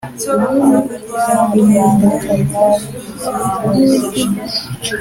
Umuvugizi w umuryango n abavugizi b ungirije